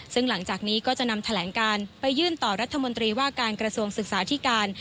ซึ่งหลังจากนี้ก็จะนำแถลงการไปยื่นต่อรัฐมนตรีว่าการกระทรวงศึกษาที่การ